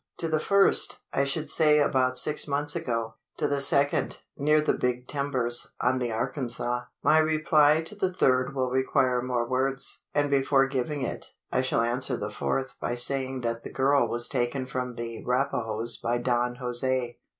To the first, I should say about six months ago. To the second, near the Big Timbers, on the Arkansas. My reply to the third will require more words; and before giving it, I shall answer the fourth by saying that the girl was taken from the Rapahoes by Don Jose."